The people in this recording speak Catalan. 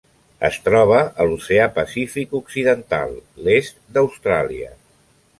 Es troba a l'Oceà Pacífic occidental: l'est d'Austràlia.